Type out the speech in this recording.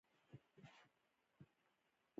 خلک دې د خبرو په بدل کې حق واخلي.